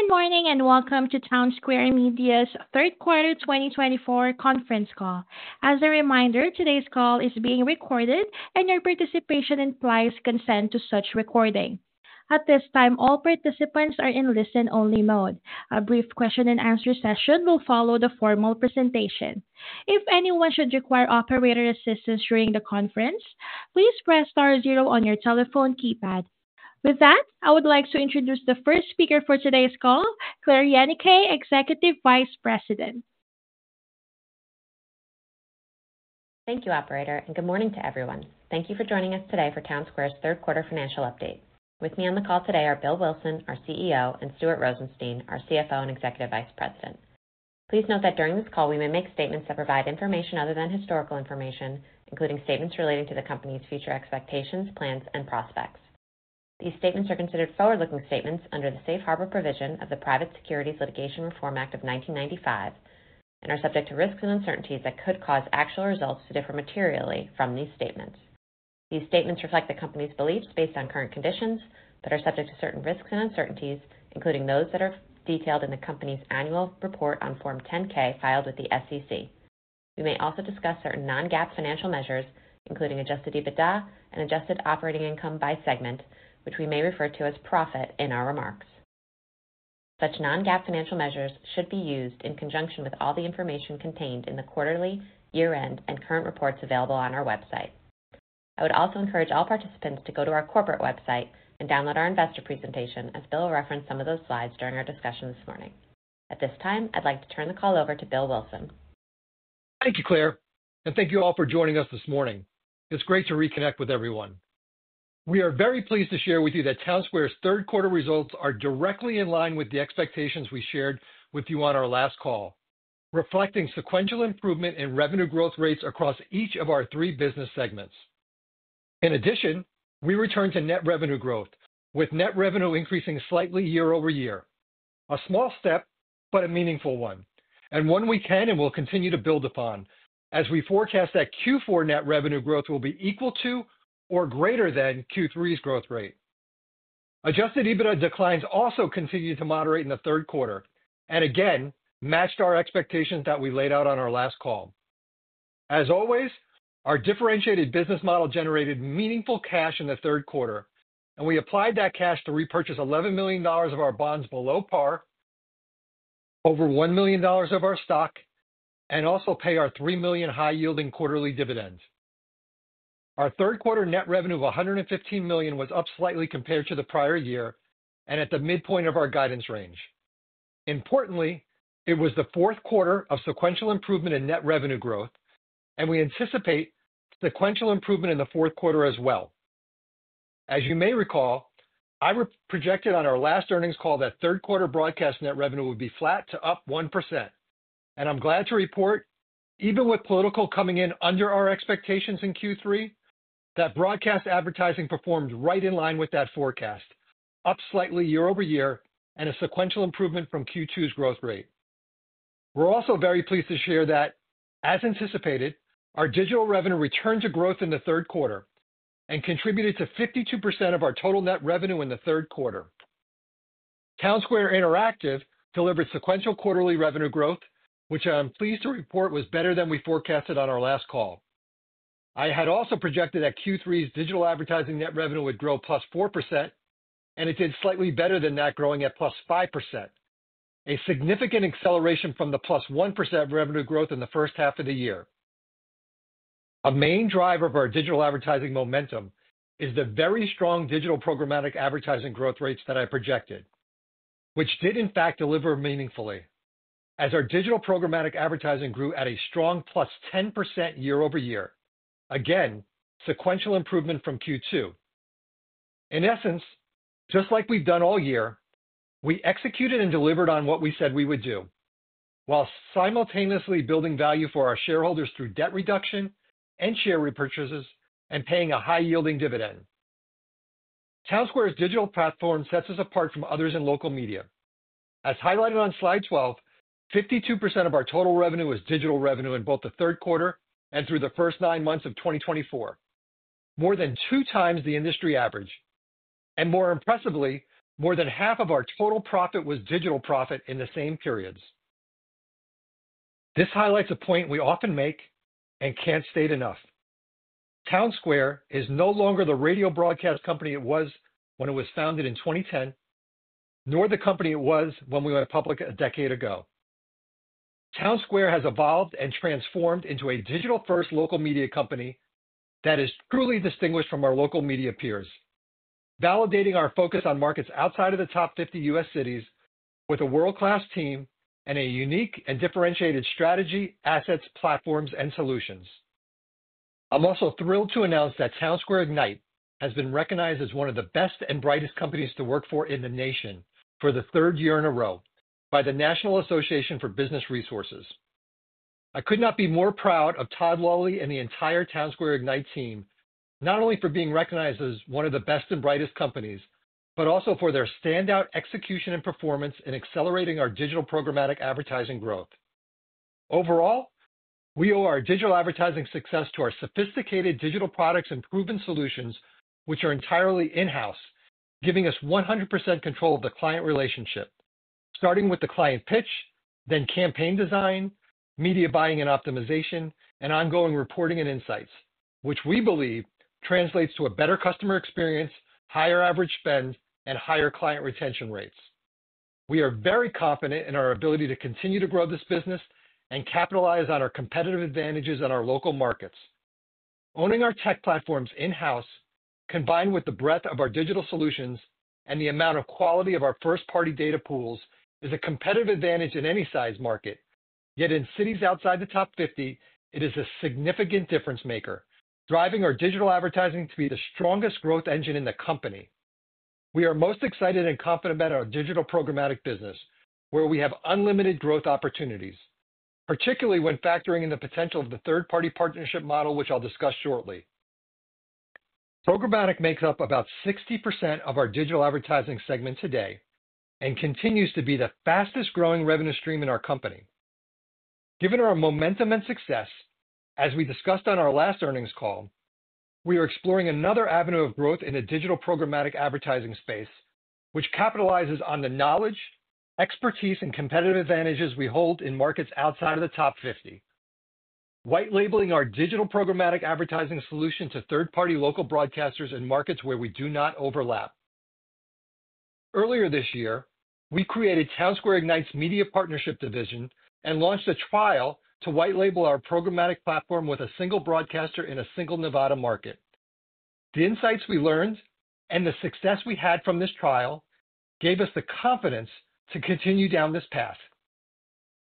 Good morning and welcome to Townsquare Media's Third Quarter 2024 conference call. As a reminder, today's call is being recorded, and your participation implies consent to such recording. At this time, all participants are in listen-only mode. A brief question-and-answer session will follow the formal presentation. If anyone should require operator assistance during the conference, please press star zero on your telephone keypad. With that, I would like to introduce the first speaker for today's call, Claire Yenicay, Executive Vice President. Thank you, Operator, and good morning to everyone. Thank you for joining us today for Townsquare's Third Quarter financial update. With me on the call today are Bill Wilson, our CEO, and Stuart Rosenstein, our CFO and Executive Vice President. Please note that during this call, we may make statements that provide information other than historical information, including statements relating to the company's future expectations, plans, and prospects. These statements are considered forward-looking statements under the Safe Harbor Provision of the Private Securities Litigation Reform Act of 1995 and are subject to risks and uncertainties that could cause actual results to differ materially from these statements. These statements reflect the company's beliefs based on current conditions but are subject to certain risks and uncertainties, including those that are detailed in the company's annual report on Form 10-K filed with the SEC. We may also discuss certain non-GAAP financial measures, including adjusted EBITDA and adjusted operating income by segment, which we may refer to as profit in our remarks. Such non-GAAP financial measures should be used in conjunction with all the information contained in the quarterly, year-end, and current reports available on our website. I would also encourage all participants to go to our corporate website and download our investor presentation, as Bill will reference some of those slides during our discussion this morning. At this time, I'd like to turn the call over to Bill Wilson. Thank you, Claire, and thank you all for joining us this morning. It's great to reconnect with everyone. We are very pleased to share with you that Townsquare's Third Quarter results are directly in line with the expectations we shared with you on our last call, reflecting sequential improvement in revenue growth rates across each of our three business segments. In addition, we return to net revenue growth, with net revenue increasing slightly year over year, a small step but a meaningful one, and one we can and will continue to build upon, as we forecast that fourth quarter net revenue growth will be equal to or greater than third quarter's growth rate. Adjusted EBITDA declines also continued to moderate in the third quarter and, again, matched our expectations that we laid out on our last call. As always, our differentiated business model generated meaningful cash in the third quarter, and we applied that cash to repurchase $11 million of our bonds below par, over $1 million of our stock, and also pay our $3 million high-yielding quarterly dividends. Our third quarter net revenue of $115 million was up slightly compared to the prior year and at the midpoint of our guidance range. Importantly, it was the fourth quarter of sequential improvement in net revenue growth, and we anticipate sequential improvement in the fourth quarter as well. As you may recall, I projected on our last earnings call that third quarter broadcast net revenue would be flat to up 1%, and I'm glad to report, even with political coming in under our expectations in third quarter, that broadcast advertising performed right in line with that forecast, up slightly year over year and a sequential improvement from second quarter's growth rate. We're also very pleased to share that, as anticipated, our digital revenue returned to growth in the third quarter and contributed to 52% of our total net revenue in the third quarter. Townsquare Interactive delivered sequential quarterly revenue growth, which I'm pleased to report was better than we forecasted on our last call. I had also projected that third quarter's digital advertising net revenue would grow plus 4%, and it did slightly better than that, growing at plus 5%, a significant acceleration from the plus 1% revenue growth in the first half of the year. A main drive of our digital advertising momentum is the very strong digital programmatic advertising growth rates that I projected, which did, in fact, deliver meaningfully, as our digital programmatic advertising grew at a strong plus 10% year over year, again, sequential improvement from second quarter. In essence, just like we've done all year, we executed and delivered on what we said we would do, while simultaneously building value for our shareholders through debt reduction and share repurchases and paying a high-yielding dividend. Townsquare's digital platform sets us apart from others in local media. As highlighted on slide 12, 52% of our total revenue was digital revenue in both the third quarter and through the first nine months of 2024, more than two times the industry average, and more impressively, more than half of our total profit was digital profit in the same periods. This highlights a point we often make and can't state enough: Townsquare is no longer the radio broadcast company it was when it was founded in 2010, nor the company it was when we went public a decade ago. Townsquare has evolved and transformed into a digital-first local media company that is truly distinguished from our local media peers, validating our focus on markets outside of the top 50 U.S. cities with a world-class team and a unique and differentiated strategy, assets, platforms, and solutions. I'm also thrilled to announce that Townsquare Ignite has been recognized as one of the Best and Brightest Companies to Work For in the nation for the third year in a row by the National Association for Business Resources. I could not be more proud of Todd Lawley and the entire Townsquare Ignite team, not only for being recognized as one of the best and brightest companies but also for their standout execution and performance in accelerating our digital programmatic advertising growth. Overall, we owe our digital advertising success to our sophisticated digital products and proven solutions, which are entirely in-house, giving us 100% control of the client relationship, starting with the client pitch, then campaign design, media buying and optimization, and ongoing reporting and insights, which we believe translates to a better customer experience, higher average spend, and higher client retention rates. We are very confident in our ability to continue to grow this business and capitalize on our competitive advantages in our local markets. Owning our tech platforms in-house, combined with the breadth of our digital solutions and the amount of quality of our first-party data pools, is a competitive advantage in any size market, yet in cities outside the top 50, it is a significant difference-maker, driving our digital advertising to be the strongest growth engine in the company. We are most excited and confident about our digital programmatic business, where we have unlimited growth opportunities, particularly when factoring in the potential of the third-party partnership model, which I'll discuss shortly. Programmatic makes up about 60% of our digital advertising segment today and continues to be the fastest-growing revenue stream in our company. Given our momentum and success, as we discussed on our last earnings call, we are exploring another avenue of growth in the digital programmatic advertising space, which capitalizes on the knowledge, expertise, and competitive advantages we hold in markets outside of the top 50, white-labeling our digital programmatic advertising solution to third-party local broadcasters in markets where we do not overlap. Earlier this year, we created Townsquare Ignite's Media Partnership Division and launched a trial to white-label our programmatic platform with a single broadcaster in a single Nevada market. The insights we learned and the success we had from this trial gave us the confidence to continue down this path,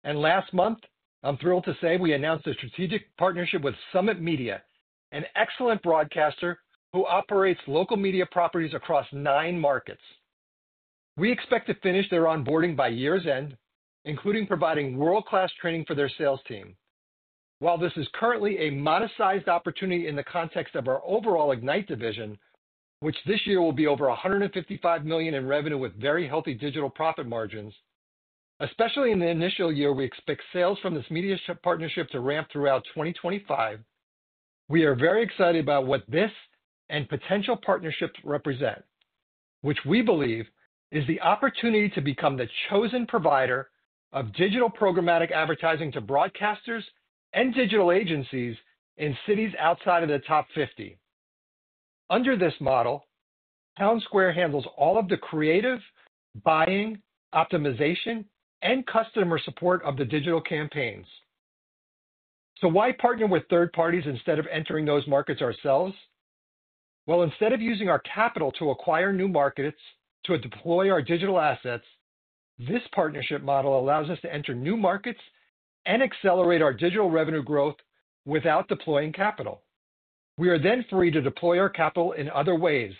and last month, I'm thrilled to say we announced a strategic partnership with SummitMedia, an excellent broadcaster who operates local media properties across nine markets. We expect to finish their onboarding by year's end, including providing world-class training for their sales team. While this is currently a modest-sized opportunity in the context of our overall Ignite division, which this year will be over $155 million in revenue with very healthy digital profit margins, especially in the initial year we expect sales from this media partnership to ramp throughout 2025. We are very excited about what this and potential partnerships represent, which we believe is the opportunity to become the chosen provider of digital programmatic advertising to broadcasters and digital agencies in cities outside of the top 50. Under this model, Townsquare handles all of the creative, buying, optimization, and customer support of the digital campaigns. So why partner with third parties instead of entering those markets ourselves? Instead of using our capital to acquire new markets to deploy our digital assets, this partnership model allows us to enter new markets and accelerate our digital revenue growth without deploying capital. We are then free to deploy our capital in other ways,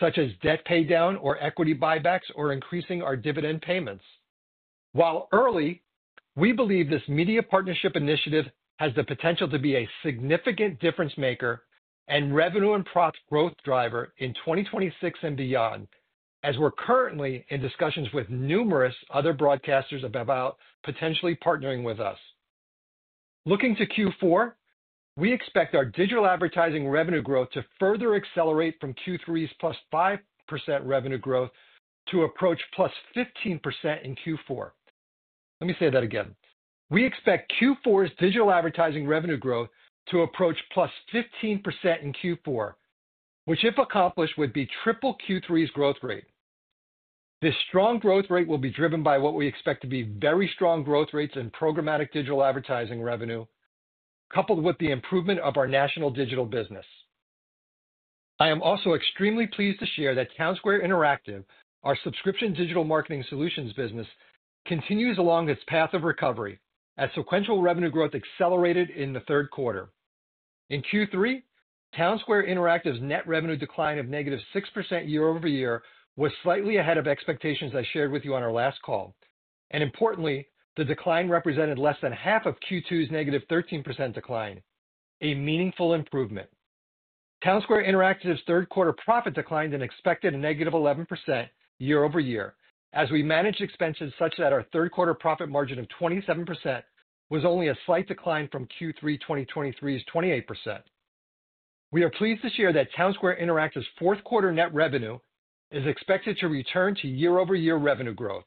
such as debt paydown or equity buybacks or increasing our dividend payments. While early, we believe this media partnership initiative has the potential to be a significant difference-maker and revenue and profit growth driver in 2026 and beyond, as we're currently in discussions with numerous other broadcasters about potentially partnering with us. Looking to fourth quarter, we expect our digital advertising revenue growth to further accelerate from third quarter's plus 5% revenue growth to approach plus 15% in fourth quarter. Let me say that again. We expect fourth quarter's digital advertising revenue growth to approach plus 15% in fourth quarter, which, if accomplished, would be triple third quarter's growth rate. This strong growth rate will be driven by what we expect to be very strong growth rates in programmatic digital advertising revenue, coupled with the improvement of our national digital business. I am also extremely pleased to share that Townsquare Interactive, our subscription digital marketing solutions business, continues along its path of recovery as sequential revenue growth accelerated in the third quarter. In third quarter, Townsquare Interactive's net revenue decline of negative 6% year over year was slightly ahead of expectations I shared with you on our last call, and importantly, the decline represented less than half of second quarter's negative 13% decline, a meaningful improvement. Townsquare Interactive's third quarter profit declined, as expected, a negative 11% year over year, as we managed expenses such that our third quarter profit margin of 27% was only a slight decline from third quarter 2023's 28%. We are pleased to share that Townsquare Interactive's fourth quarter net revenue is expected to return to year-over-year revenue growth.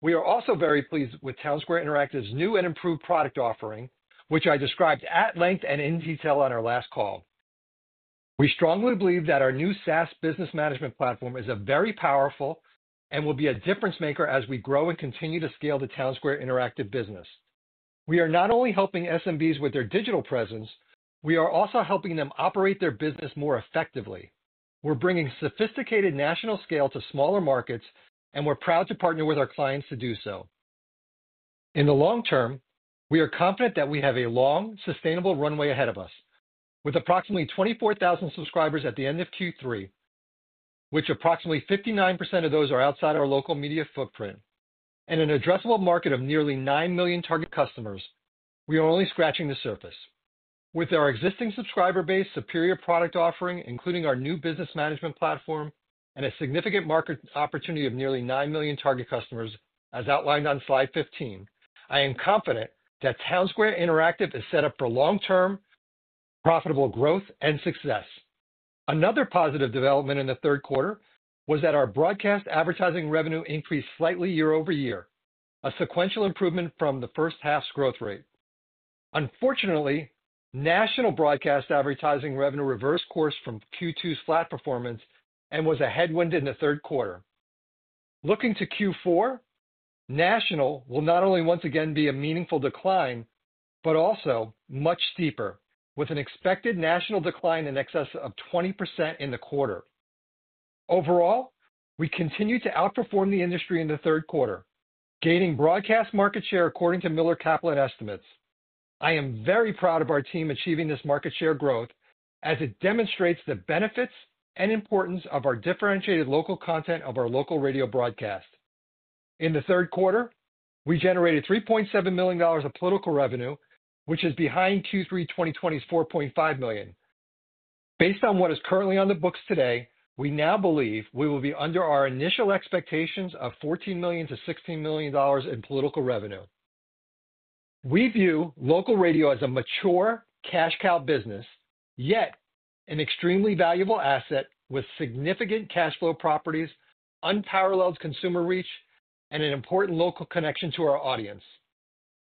We are also very pleased with Townsquare Interactive's new and improved product offering, which I described at length and in detail on our last call. We strongly believe that our new SaaS business management platform is very powerful and will be a difference-maker as we grow and continue to scale the Townsquare Interactive business. We are not only helping SMBs with their digital presence, we are also helping them operate their business more effectively. We're bringing sophisticated national scale to smaller markets, and we're proud to partner with our clients to do so. In the long term, we are confident that we have a long, sustainable runway ahead of us, with approximately 24,000 subscribers at the end of third quarter, which approximately 59% of those are outside our local media footprint, and an addressable market of nearly nine million target customers. We are only scratching the surface. With our existing subscriber base, superior product offering, including our new business management platform, and a significant market opportunity of nearly nine million target customers, as outlined on slide 15, I am confident that Townsquare Interactive is set up for long-term profitable growth and success. Another positive development in the third quarter was that our broadcast advertising revenue increased slightly year over year, a sequential improvement from the first half's growth rate. Unfortunately, national broadcast advertising revenue reversed course from second quarter's flat performance and was a headwind in the third quarter. Looking to fourth quarter, national will not only once again be a meaningful decline, but also much steeper, with an expected national decline in excess of 20% in the quarter. Overall, we continue to outperform the industry in the third quarter, gaining broadcast market share according to Miller Kaplan estimates. I am very proud of our team achieving this market share growth, as it demonstrates the benefits and importance of our differentiated local content of our local radio broadcast. In the third quarter, we generated $3.7 million of political revenue, which is behind third quarter 2020's $4.5 million. Based on what is currently on the books today, we now believe we will be under our initial expectations of $14 to 16 million in political revenue. We view local radio as a mature cash cow business, yet an extremely valuable asset with significant cash flow properties, unparalleled consumer reach, and an important local connection to our audience.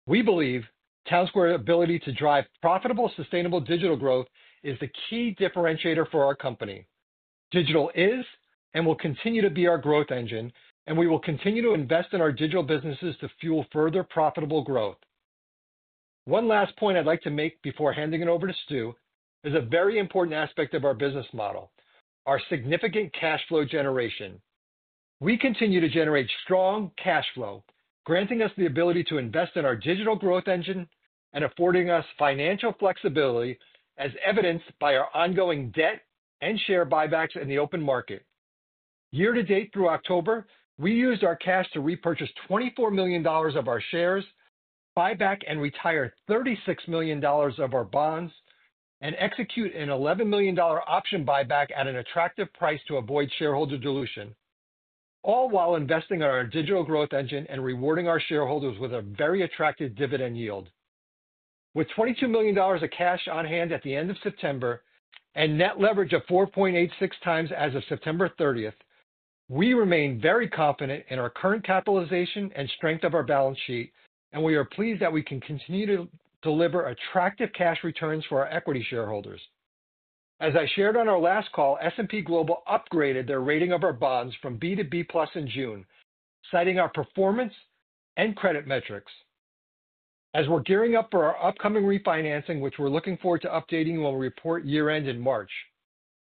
We believe Townsquare's ability to drive profitable, sustainable digital growth is the key differentiator for our company. Digital is and will continue to be our growth engine, and we will continue to invest in our digital businesses to fuel further profitable growth. One last point I'd like to make before handing it over to Stu is a very important aspect of our business model: our significant cash flow generation. We continue to generate strong cash flow, granting us the ability to invest in our digital growth engine and affording us financial flexibility, as evidenced by our ongoing debt and share buybacks in the open market. Year to date, through October, we used our cash to repurchase $24 million of our shares, buyback and retire $36 million of our bonds, and execute an $11 million option buyback at an attractive price to avoid shareholder dilution, all while investing in our digital growth engine and rewarding our shareholders with a very attractive dividend yield. With $22 million of cash on hand at the end of September and net leverage of 4.86 times as of 30 September 2024, we remain very confident in our current capitalization and strength of our balance sheet, and we are pleased that we can continue to deliver attractive cash returns for our equity shareholders. As I shared on our last call, S&P Global upgraded their rating of our bonds from B to B Plus in June, citing our performance and credit metrics. As we're gearing up for our upcoming refinancing, which we're looking forward to updating when we report year-end in March,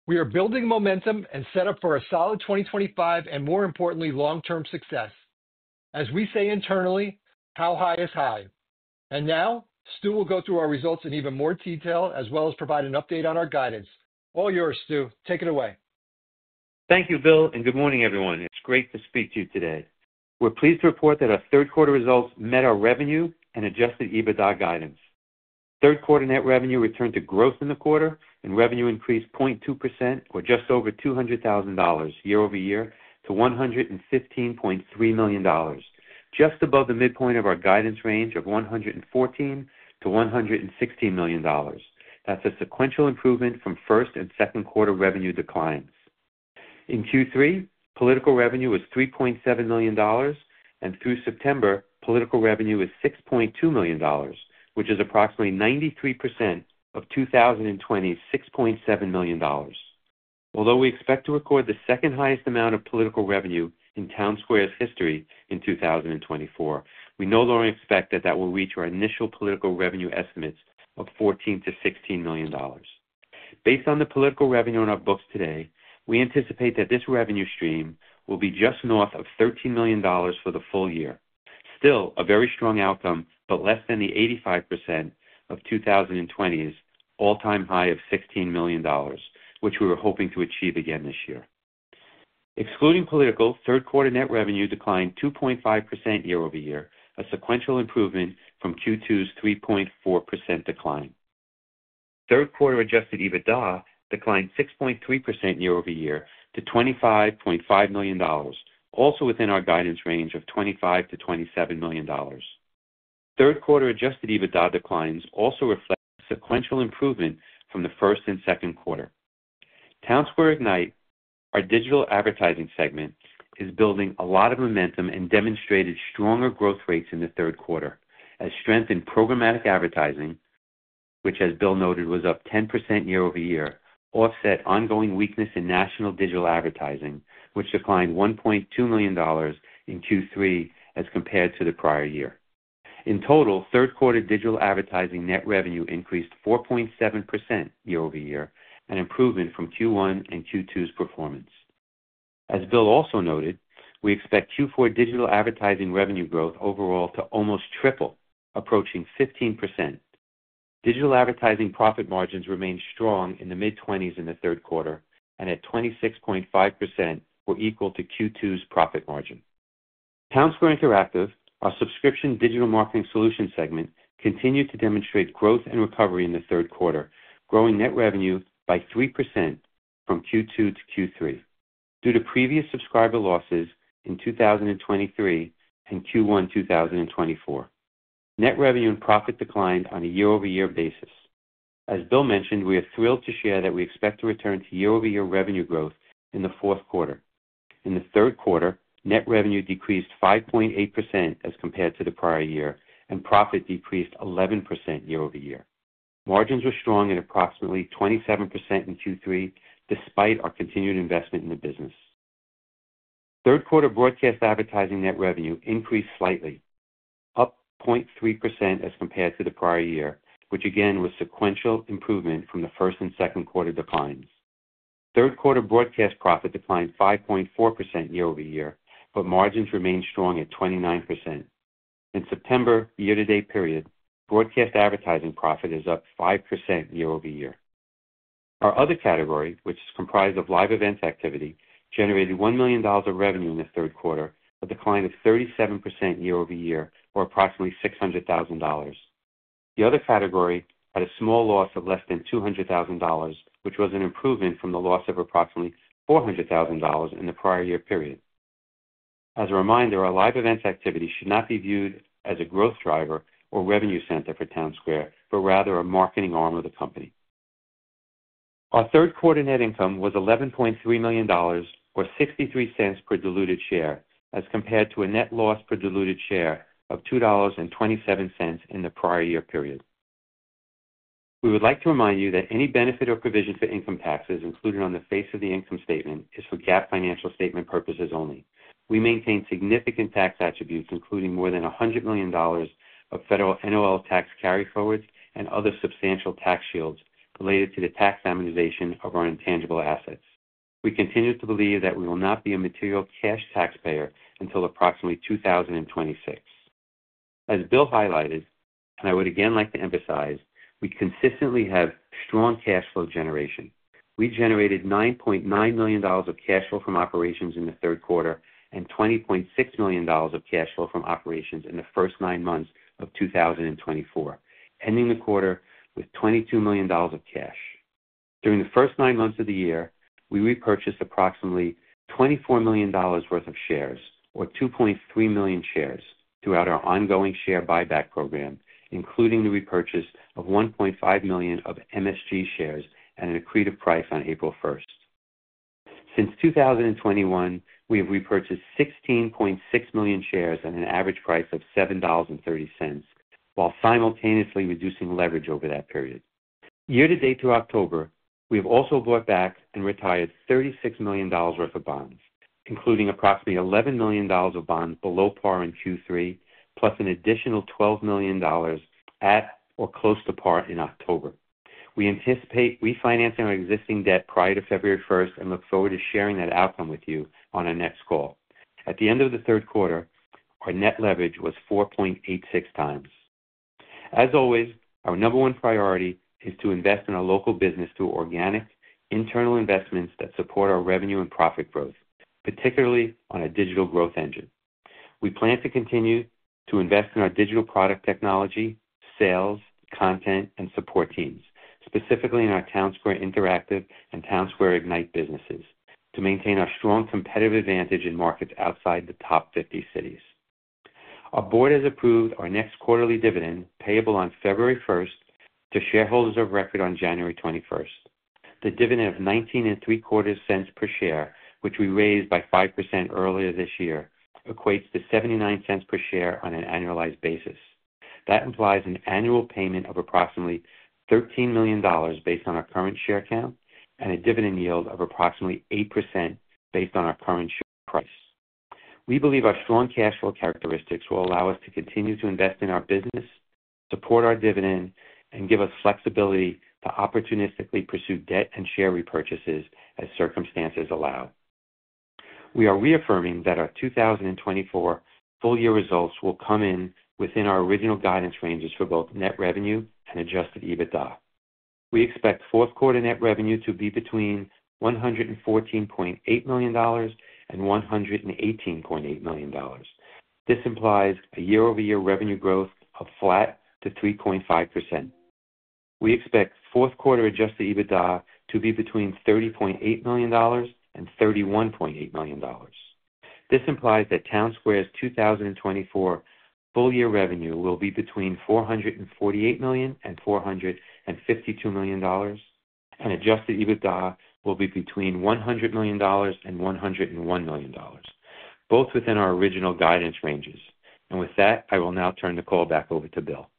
we are building momentum and set up for a solid 2025 and, more importantly, long-term success. As we say internally, "How high is high," and now, Stu will go through our results in even more detail, as well as provide an update on our guidance. All yours, Stu. Take it away. Thank you, Bill, and good morning, everyone. It's great to speak to you today. We're pleased to report that our third quarter results met our revenue and Adjusted EBITDA guidance. Third quarter net revenue returned to growth in the quarter, and revenue increased 0.2%, or just over $200,000 year-over-year, to $115.3 million, just above the midpoint of our guidance range of $114 to 116 million. That's a sequential improvement from first and second quarter revenue declines. In third quarter, political revenue was $3.7 million, and through September, political revenue was $6.2 million, which is approximately 93% of 2020's $6.7 million. Although we expect to record the second-highest amount of political revenue in Townsquare's history in 2024, we no longer expect that that will reach our initial political revenue estimates of $14 to 16 million. Based on the political revenue in our books today, we anticipate that this revenue stream will be just north of $13 million for the full year, still a very strong outcome, but less than the 85% of 2020's all-time high of $16 million, which we were hoping to achieve again this year. Excluding political, third quarter net revenue declined 2.5% year-over-year, a sequential improvement from second quarter's 3.4% decline. Third quarter Adjusted EBITDA declined 6.3% year-over-year to $25.5 million, also within our guidance range of $25 to 27 million. Third quarter Adjusted EBITDA declines also reflect a sequential improvement from the first and second quarter. Townsquare Ignite, our digital advertising segment, is building a lot of momentum and demonstrated stronger growth rates in the third quarter, as strength in programmatic advertising, which, as Bill noted, was up 10% year-over-year, offset ongoing weakness in national digital advertising, which declined $1.2 million in third quarter as compared to the prior year. In total, third quarter digital advertising net revenue increased 4.7% year-over-year, an improvement from first quarter and second quarter's performance. As Bill also noted, we expect fourth quarter digital advertising revenue growth overall to almost triple, approaching 15%. Digital advertising profit margins remained strong in the mid-20s in the third quarter and at 26.5%, or equal to second quarter's profit margin. Townsquare Interactive, our subscription digital marketing solutions segment, continued to demonstrate growth and recovery in the third quarter, growing net revenue by 3% from second quarter to third quarter due to previous subscriber losses in 2023 and first quarter 2024. Net revenue and profit declined on a year-over-year basis. As Bill mentioned, we are thrilled to share that we expect to return to year-over-year revenue growth in the fourth quarter. In the third quarter, net revenue decreased 5.8% as compared to the prior year, and profit decreased 11% year-over-year. Margins were strong at approximately 27% in third quarter, despite our continued investment in the business. Third quarter broadcast advertising net revenue increased slightly, up 0.3% as compared to the prior year, which again was a sequential improvement from the first and second quarter declines. Third quarter broadcast profit declined 5.4% year-over-year, but margins remained strong at 29%. In September, year-to-date period, broadcast advertising profit is up 5% year-over-year. Our other category, which is comprised of live event activity, generated $1 million of revenue in the third quarter, a decline of 37% year-over-year, or approximately $600,000. The other category had a small loss of less than $200,000, which was an improvement from the loss of approximately $400,000 in the prior year period. As a reminder, our live event activity should not be viewed as a growth driver or revenue center for Townsquare, but rather a marketing arm of the company. Our third quarter net income was $11.3 million, or $0.63 per diluted share, as compared to a net loss per diluted share of $2.27 in the prior year period. We would like to remind you that any benefit or provision for income taxes included on the face of the income statement is for GAAP financial statement purposes only. We maintain significant tax attributes, including more than $100 million of federal NOL tax carryforwards and other substantial tax shields related to the tax amortization of our intangible assets. We continue to believe that we will not be a material cash taxpayer until approximately 2026. As Bill highlighted, and I would again like to emphasize, we consistently have strong cash flow generation. We generated $9.9 million of cash flow from operations in the third quarter and $20.6 million of cash flow from operations in the first nine months of 2024, ending the quarter with $22 million of cash. During the first nine months of the year, we repurchased approximately $24 million worth of shares, or 2.3 million shares, throughout our ongoing share buyback program, including the repurchase of $1.5 million of MSG shares at an accretive price on 1 April 2024. Since 2021, we have repurchased $16.6 million shares at an average price of $7.30, while simultaneously reducing leverage over that period. Year-to-date through October, we have also bought back and retired $36 million worth of bonds, including approximately $11 million of bonds below par in third quarter, plus an additional $12 million at or close to par in October. We anticipate refinancing our existing debt prior to 1 February 2024 and look forward to sharing that outcome with you on our next call. At the end of the third quarter, our net leverage was 4.86 times. As always, our number one priority is to invest in our local business through organic, internal investments that support our revenue and profit growth, particularly on a digital growth engine. We plan to continue to invest in our digital product technology, sales, content, and support teams, specifically in our Townsquare Interactive and Townsquare Ignite businesses, to maintain our strong competitive advantage in markets outside the top 50 cities. Our board has approved our next quarterly dividend, payable on 1 February 2024, to shareholders of record on 21 January 2024. The dividend of $0.1934 per share, which we raised by 5% earlier this year, equates to $0.79 per share on an annualized basis. That implies an annual payment of approximately $13 million based on our current share count and a dividend yield of approximately 8% based on our current share price. We believe our strong cash flow characteristics will allow us to continue to invest in our business, support our dividend, and give us flexibility to opportunistically pursue debt and share repurchases as circumstances allow. We are reaffirming that our 2024 full-year results will come in within our original guidance ranges for both net revenue and Adjusted EBITDA. We expect fourth quarter net revenue to be between $114.8 million and $118.8 million. This implies a year-over-year revenue growth of flat to 3.5%. We expect fourth quarter Adjusted EBITDA to be between $30.8 million and $31.8 million. This implies that Townsquare's 2024 full-year revenue will be between $448 million and $452 million, and Adjusted EBITDA will be between $100 million and $101 million, both within our original guidance ranges. And with that, I will now turn the call back over to Bill.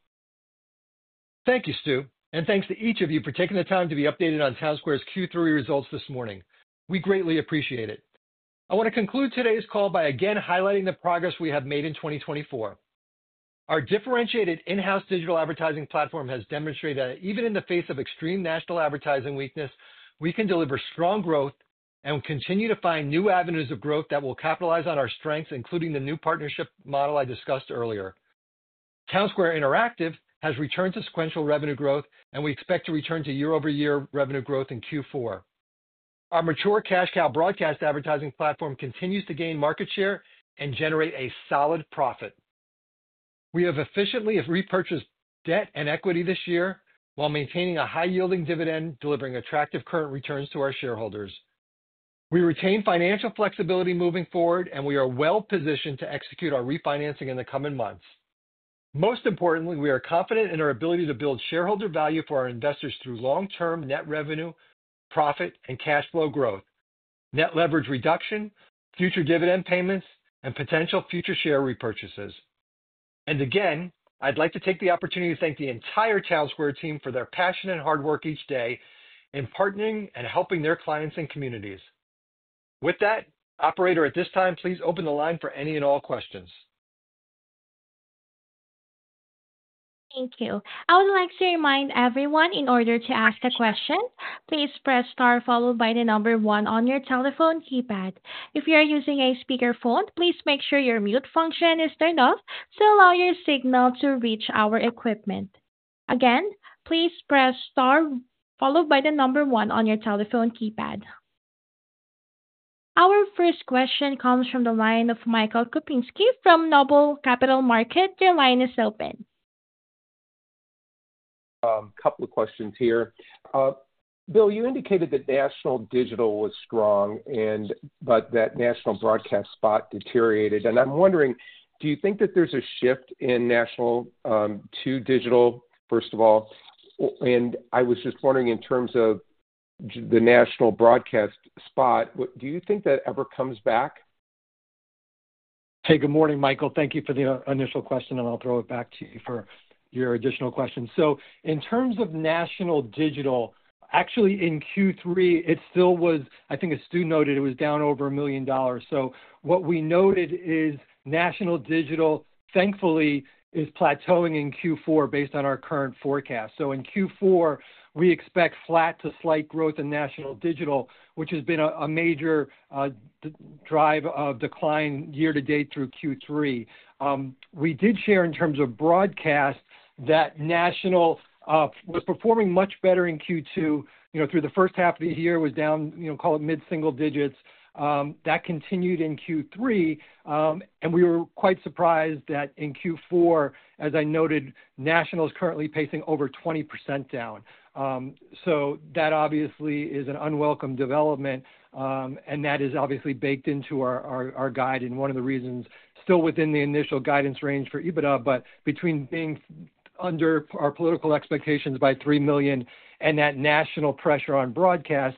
Thank you, Stu. And thanks to each of you for taking the time to be updated on Townsquare's third quarter results this morning. We greatly appreciate it. I want to conclude today's call by again highlighting the progress we have made in 2024. Our differentiated in-house digital advertising platform has demonstrated that even in the face of extreme national advertising weakness, we can deliver strong growth and continue to find new avenues of growth that will capitalize on our strengths, including the new partnership model I discussed earlier. Townsquare Interactive has returned to sequential revenue growth, and we expect to return to year-over-year revenue growth in fourth quarter. Our mature cash cow broadcast advertising platform continues to gain market share and generate a solid profit. We have efficiently repurchased debt and equity this year while maintaining a high-yielding dividend, delivering attractive current returns to our shareholders. We retain financial flexibility moving forward, and we are well-positioned to execute our refinancing in the coming months. Most importantly, we are confident in our ability to build shareholder value for our investors through long-term net revenue, profit, and cash flow growth, net leverage reduction, future dividend payments, and potential future share repurchases, and again, I'd like to take the opportunity to thank the entire Townsquare team for their passion and hard work each day in partnering and helping their clients and communities. With that, operator, at this time, please open the line for any and all questions. Thank you. I would like to remind everyone in order to ask a question, please press star followed by the number one on your telephone keypad. If you are using a speakerphone, please make sure your mute function is turned off to allow your signal to reach our equipment. Again, please press star followed by the number one on your telephone keypad. Our first question comes from the line of Michael Kupinski from Noble Capital Markets. Your line is open. A couple of questions here. Bill, you indicated that national digital was strong, but that national broadcast spot deteriorated. And I'm wondering, do you think that there's a shift in national to digital, first of all? And I was just wondering in terms of the national broadcast spot, do you think that ever comes back? Hey, good morning, Michael. Thank you for the initial question, and I'll throw it back to you for your additional question. So in terms of national digital, actually in third quarter, it still was, I think Stu noted, it was down over $1 million. So what we noted is national digital, thankfully, is plateauing in fourth quarter based on our current forecast. In fourth quarter, we expect flat to slight growth in national digital, which has been a major drive of decline year-to-date through third quarter. We did share in terms of broadcast that national was performing much better in second quarter. Through the first half of the year, it was down, call it mid-single digits. That continued in third quarter, and we were quite surprised that in fourth quarter, as I noted, national is currently pacing over 20% down. So that obviously is an unwelcome development, and that is obviously baked into our guide and one of the reasons still within the initial guidance range for EBITDA, but between being under our political expectations by $3 million and that national pressure on broadcast,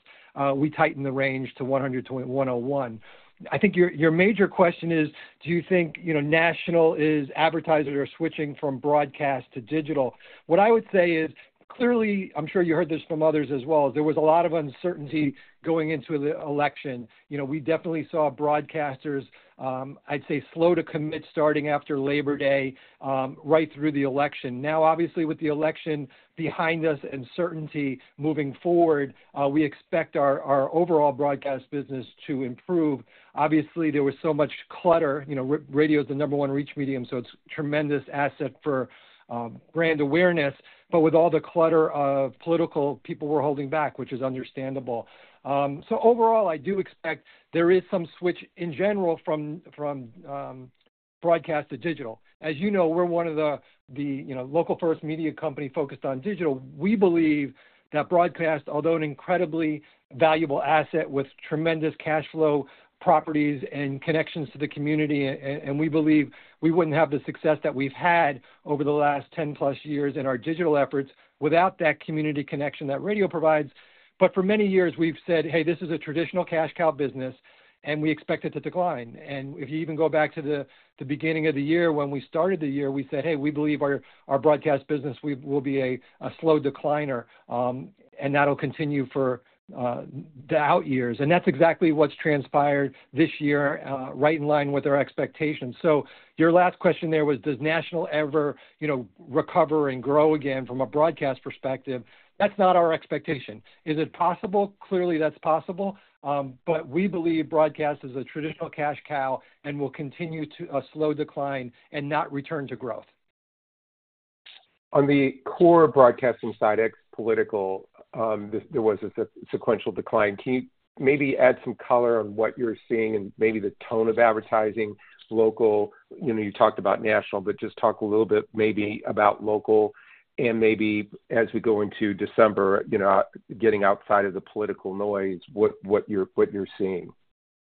we tightened the range to 100-101. I think your major question is, do you think national advertisers are switching from broadcast to digital? What I would say is, clearly, I'm sure you heard this from others as well, there was a lot of uncertainty going into the election. We definitely saw broadcasters, I'd say, slow to commit starting after Labor Day, right through the election. Now, obviously, with the election behind us and certainty moving forward, we expect our overall broadcast business to improve. Obviously, there was so much clutter. Radio is the number one reach medium, so it's a tremendous asset for brand awareness, but with all the clutter of political, people were holding back, which is understandable. So overall, I do expect there is some switch in general from broadcast to digital. As you know, we're one of the local-first media companies focused on digital. We believe that broadcast, although an incredibly valuable asset with tremendous cash flow properties and connections to the community, and we believe we wouldn't have the success that we've had over the last 10-plus years in our digital efforts without that community connection that radio provides. But for many years, we've said, "Hey, this is a traditional cash cow business," and we expect it to decline. And if you even go back to the beginning of the year when we started the year, we said, "Hey, we believe our broadcast business will be a slow decliner," and that'll continue for the out years. And that's exactly what's transpired this year, right in line with our expectations. So your last question there was, does national ever recover and grow again from a broadcast perspective? That's not our expectation. Is it possible? Clearly, that's possible, but we believe broadcast is a traditional cash cow and will continue to a slow decline and not return to growth. On the core broadcasting side ex-political, there was a sequential decline. Can you maybe add some color on what you're seeing and maybe the tone of advertising? Local, you talked about national, but just talk a little bit maybe about local and maybe as we go into December, getting outside of the political noise, what you're seeing.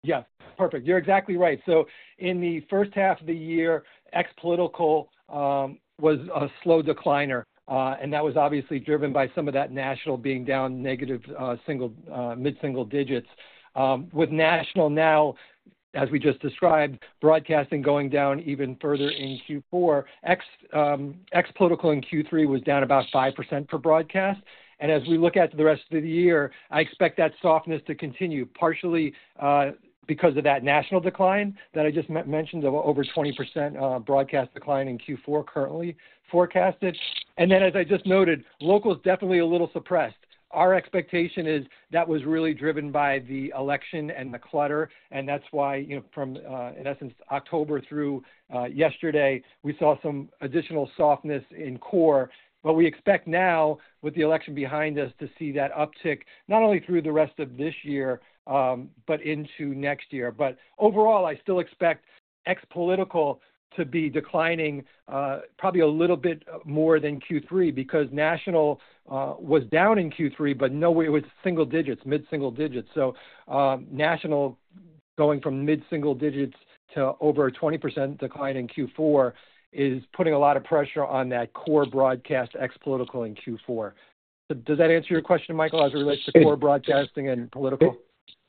Yes. Perfect. You're exactly right. So in the first half of the year, ex-political was a slow decliner, and that was obviously driven by some of that national being down negative mid-single digits. With national now, as we just described, broadcasting going down even further in fourth quarter, ex-political in third quarter was down about 5% for broadcast. And as we look at the rest of the year, I expect that softness to continue partially because of that national decline that I just mentioned of over 20% broadcast decline in fourth quarter currently forecasted. And then, as I just noted, local is definitely a little suppressed. Our expectation is that was really driven by the election and the clutter, and that's why, in essence, October through yesterday, we saw some additional softness in core. But we expect now, with the election behind us, to see that uptick not only through the rest of this year, but into next year. But overall, I still expect ex-political to be declining probably a little bit more than third quarter because national was down in third quarter, but no, it was single digits, mid-single digits. National going from mid-single digits to over 20% decline in fourth quarter is putting a lot of pressure on that core broadcast ex-political in fourth quarter. Does that answer your question, Michael, as it relates to core broadcasting and political?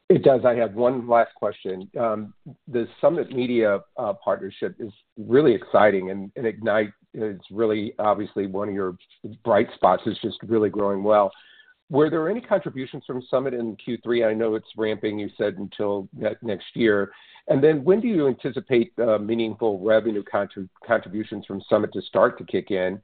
It does. I have one last question. The Summit Media partnership is really exciting, and Ignite is really obviously one of your bright spots, is just really growing well. Were there any contributions from Summit in third quarter? I know it's ramping, you said, until next year. And then when do you anticipate meaningful revenue contributions from Summit to start to kick in?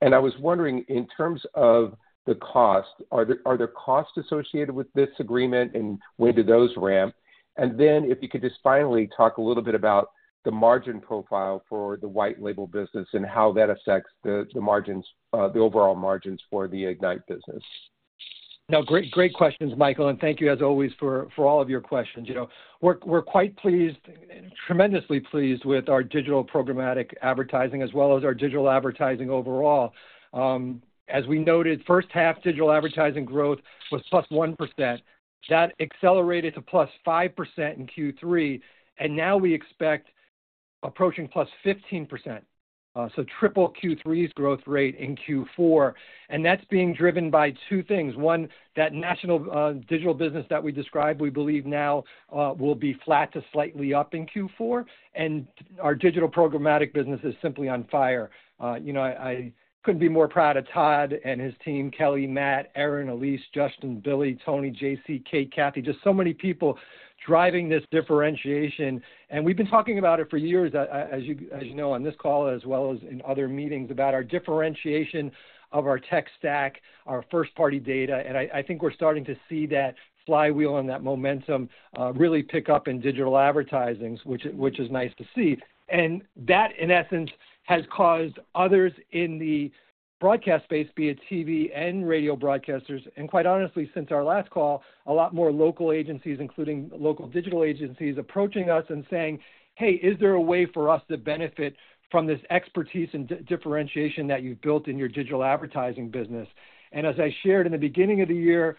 And I was wondering, in terms of the cost, are there costs associated with this agreement, and when do those ramp? And then if you could just finally talk a little bit about the margin profile for the white-label business and how that affects the margins, the overall margins for the Ignite business? No, great questions, Michael, and thank you, as always, for all of your questions. We're quite pleased, tremendously pleased with our digital programmatic advertising as well as our digital advertising overall. As we noted, first half digital advertising growth was plus 1%. That accelerated to plus 5% in third quarter, and now we expect approaching plus 15%. So triple third quarter's growth rate in fourth quarter. And that's being driven by two things. One, that national digital business that we described, we believe now will be flat to slightly up in fourth quarter, and our digital programmatic business is simply on fire. I couldn't be more proud of Todd and his team, Kelly, Matt, Aaron, Elise, Justin, Billy, Tony, JC, Kate, Kathy, just so many people driving this differentiation, and we've been talking about it for years, as you know, on this call as well as in other meetings about our differentiation of our tech stack, our first-party data, and I think we're starting to see that flywheel and that momentum really pick up in digital advertising, which is nice to see. And that, in essence, has caused others in the broadcast space, be it TV and radio broadcasters, and quite honestly, since our last call, a lot more local agencies, including local digital agencies, approaching us and saying, "Hey, is there a way for us to benefit from this expertise and differentiation that you've built in your digital advertising business?" And as I shared in the beginning of the year,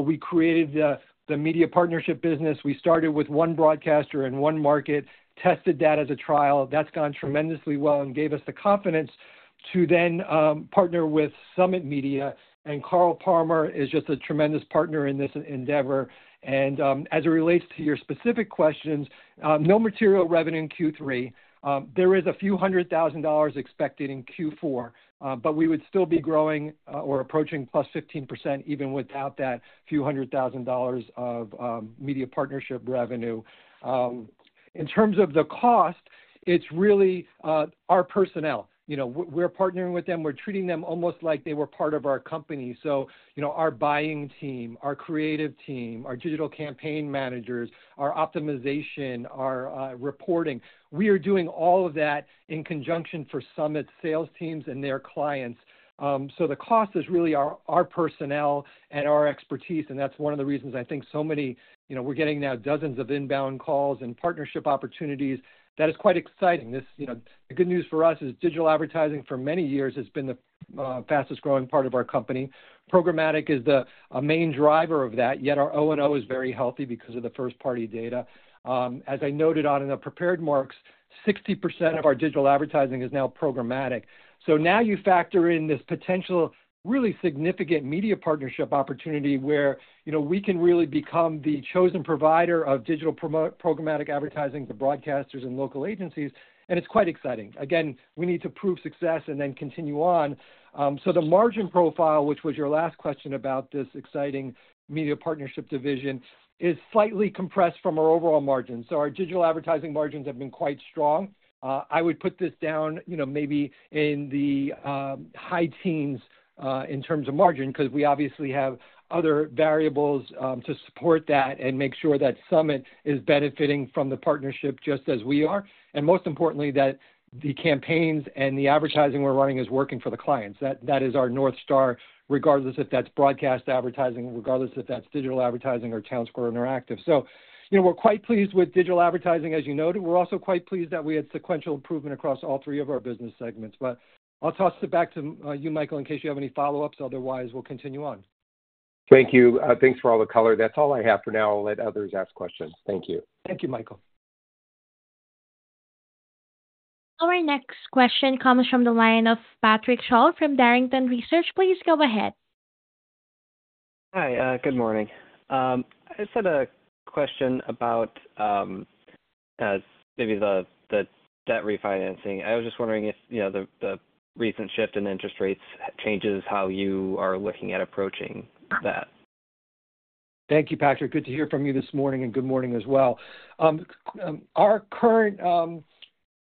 we created the media partnership business. We started with one broadcaster and one market, tested that as a trial. That's gone tremendously well and gave us the confidence to then partner with Summit Media. And Carl Parmer is just a tremendous partner in this endeavor. And as it relates to your specific questions, no material revenue in third quarter. There is a few hundred thousand dollars expected in fourth quarter, but we would still be growing or approaching plus 15% even without that few hundred thousand dollars of media partnership revenue. In terms of the cost, it's really our personnel. We're partnering with them. We're treating them almost like they were part of our company. So, our buying team, our creative team, our digital campaign managers, our optimization, our reporting, we are doing all of that in conjunction for Summit sales teams and their clients. So, the cost is really our personnel and our expertise, and that's one of the reasons I think so many we're getting now dozens of inbound calls and partnership opportunities. That is quite exciting. The good news for us is digital advertising for many years has been the fastest growing part of our company. Programmatic is the main driver of that, yet our O&O is very healthy because of the first-party data. As I noted on the prepared remarks, 60% of our digital advertising is now programmatic. So now you factor in this potential really significant media partnership opportunity where we can really become the chosen provider of digital programmatic advertising to broadcasters and local agencies, and it's quite exciting. Again, we need to prove success and then continue on. So, the margin profile, which was your last question about this exciting Media Partnership Division, is slightly compressed from our overall margins. So, our digital advertising margins have been quite strong. I would put this down maybe in the high teens in terms of margin because we obviously have other variables to support that and make sure that Summit is benefiting from the partnership just as we are. Most importantly, that the campaigns and the advertising we're running is working for the clients. That is our North Star, regardless if that's broadcast advertising, regardless if that's digital advertising or Townsquare Interactive. We're quite pleased with digital advertising, as you noted. We're also quite pleased that we had sequential improvement across all three of our business segments. I'll toss it back to you, Michael, in case you have any follow-ups. Otherwise, we'll continue on. Thank you. Thanks for all the color. That's all I have for now. I'll let others ask questions. Thank you. Thank you, Michael. Our next question comes from the line of Patrick Sholl from Barrington Research. Please go ahead. Hi. Good morning. I just had a question about maybe the debt refinancing. I was just wondering if the recent shift in interest rates changes how you are looking at approaching that? Thank you, Patrick. Good to hear from you this morning, and good morning as well. Our current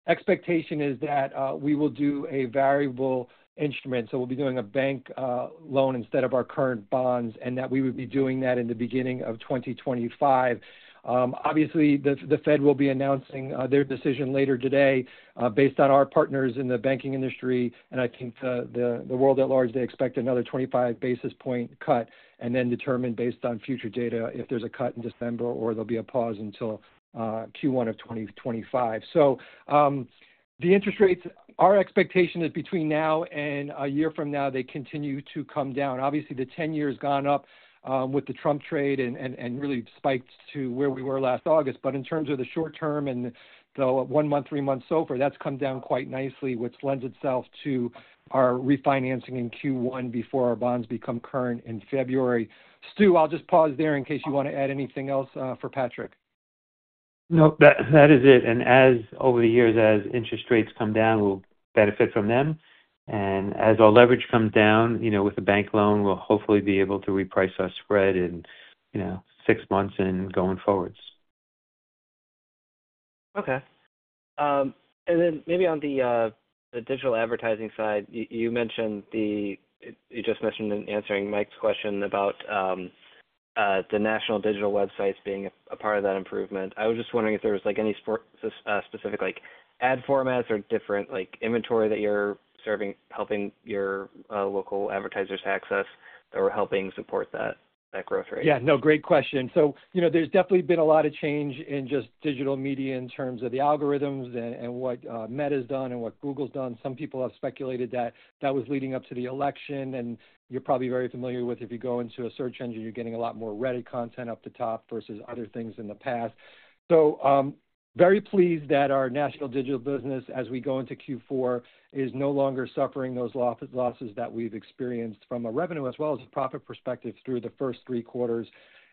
expectation is that we will do a variable instrument. So, we'll be doing a bank loan instead of our current bonds, and that we would be doing that in the beginning of 2025. Obviously, the Fed will be announcing their decision later today based on our partners in the banking industry, and I think the world at large, they expect another 25 basis point cut and then determine based on future data if there's a cut in December or there'll be a pause until first quarter of 2025. So, the interest rates, our expectation is between now and a year from now, they continue to come down. Obviously, the 10-year has gone up with the Trump trade and really spiked to where we were last August. But in terms of the short-term and the one-month, three-month SOFR, that's come down quite nicely, which lends itself to our refinancing in first quarter before our bonds become current in February. Stu, I'll just pause there in case you want to add anything else for Patrick. No, that is it. And over the years, as interest rates come down, we'll benefit from them. And as our leverage comes down with the bank loan, we'll hopefully be able to reprice our spread in six months and going forwards. Okay. And then maybe on the digital advertising side, you just mentioned in answering Mike's question about the national digital websites being a part of that improvement. I was just wondering if there was any specific ad formats or different inventory that you're helping your local advertisers access that were helping support that growth rate. Yeah. No, great question. There's definitely been a lot of change in just digital media in terms of the algorithms and what Meta has done and what Google's done. Some people have speculated that that was leading up to the election, and you're probably very familiar with, if you go into a search engine, you're getting a lot more Reddit content up the top versus other things in the past. We're very pleased that our national digital business, as we go into fourth quarter, is no longer suffering those losses that we've experienced from a revenue as well as a profit perspective through the first three quarters.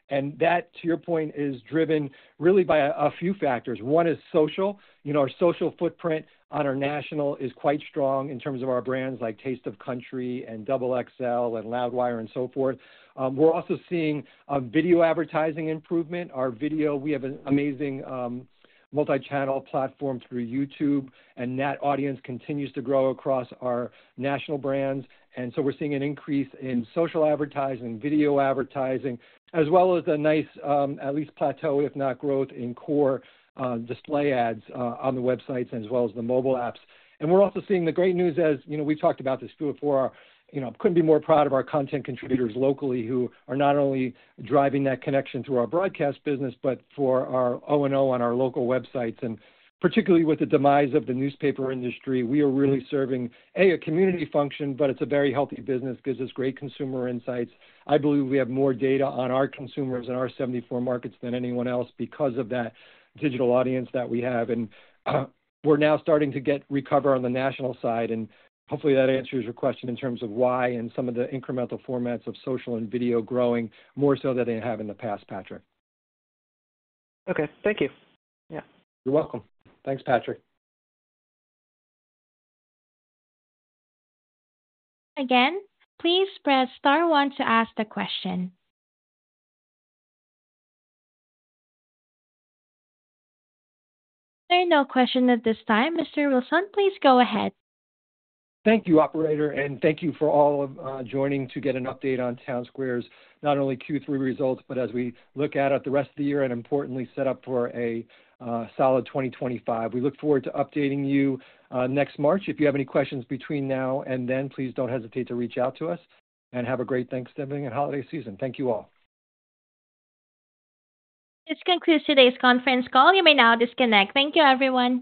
That, to your point, is driven really by a few factors. One is social. Our social footprint on our national is quite strong in terms of our brands like Taste of Country and XXL and Loudwire and so forth. We're also seeing video advertising improvement. Our video, we have an amazing multi-channel platform through YouTube, and that audience continues to grow across our national brands, so we're seeing an increase in social advertising, video advertising, as well as a nice, at least plateau, if not growth in core display ads on the websites as well as the mobile apps, we're also seeing the great news as we've talked about this before for our couldn't be more proud of our content contributors locally who are not only driving that connection through our broadcast business. But for our O&O on our local websites, particularly with the demise of the newspaper industry, we are really serving a community function, but it's a very healthy business, gives us great consumer insights. I believe we have more data on our consumers in our 74 markets than anyone else because of that digital audience that we have. And we're now starting to recover on the national side, and hopefully that answers your question in terms of why and some of the incremental formats of social and video growing more so than they have in the past, Patrick. Okay. Thank you. Yeah. You're welcome. Thanks, Patrick. Again, please press star one to ask the question. There are no questions at this time. Mr. Wilson, please go ahead. Thank you, Operator, and thank you for all joining to get an update on Townsquare's not only third quarter results, but as we look at it the rest of the year and importantly set up for a solid 2025. We look forward to updating you next March. If you have any questions between now and then, please don't hesitate to reach out to us. And have a great Thanksgiving and holiday season. Thank you all. This concludes today's conference call. You may now disconnect. Thank you, everyone.